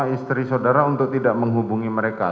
istri saudara untuk tidak menghubungi mereka